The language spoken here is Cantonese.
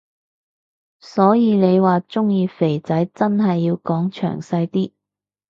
所以你話鍾意肥仔真係要講詳細啲